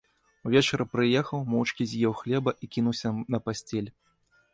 Увечары прыехаў, моўчкі з'еў хлеба і кінуўся на пасцель.